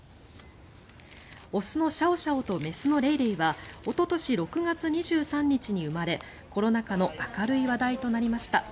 雄のシャオシャオと雌のレイレイはおととし６月２３日に生まれコロナ禍の明るい話題となりました。